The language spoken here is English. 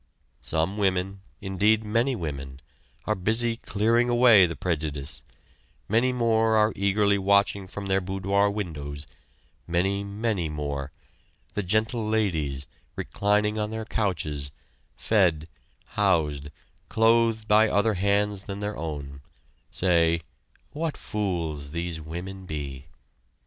Some women, indeed many women, are busy clearing away the prejudice; many more are eagerly watching from their boudoir windows; many, many more the "gentle ladies," reclining on their couches, fed, housed, clothed by other hands than their own say: "What fools these women be!"